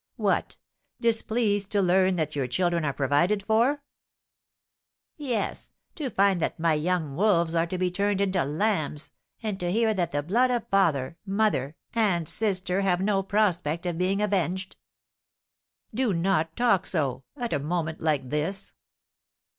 "What, displeased to learn that your children are provided for?" "Yes, to find that my young wolves are to be turned into lambs, and to hear that the blood of father, mother, and sister have no prospect of being avenged!" "Do not talk so at a moment like this!"